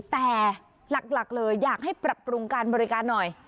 แต่หลักเลยอยากให้ปรับปรุงการบริการหน่อย